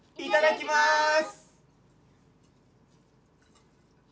いただきます！